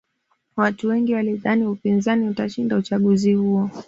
watu wengi walidhani upinzani utashinda uchaguzi huo